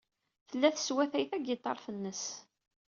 Tella teswatay tagiṭart-nnes.